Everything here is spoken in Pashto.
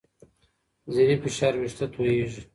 ذهني فشار وېښتې تویېږي.